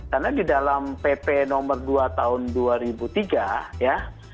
karena di dalam pp nomor dua tahun dua ribu tiga ya